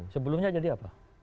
sebelumnya jadi apa